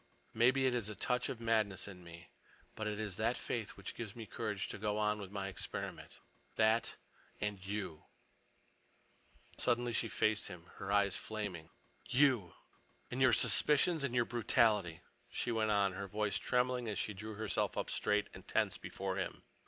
Maybe it is a touch of madness in me. But it is that faith which gives me courage to go on with my experiment. That—and you!" Suddenly she faced him, her eyes flaming. "You—and your suspicions and your brutality," she went on, her voice trembling a little as she drew herself up straight and tense before him.